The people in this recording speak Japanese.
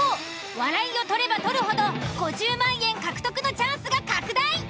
笑いを取れば取るほど５０万円獲得のチャンスが拡大！